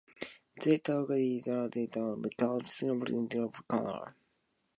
They take their responsibilities seriously and do their utmost to fulfill their duties effectively.